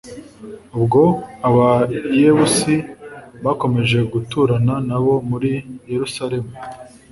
ahubwo Abayebusi bakomeje guturana na bo muri Yerusalemu